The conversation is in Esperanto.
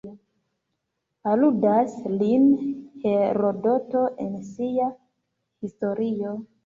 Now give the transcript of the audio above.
Aludas lin Herodoto en sia Historio.